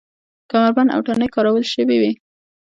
کمربند او تڼۍ کارول شوې وې.